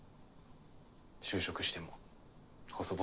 就職しても細々。